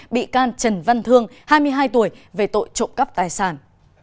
bị can trần văn thương hai mươi hai tuổi về tội trộm cắp tài sản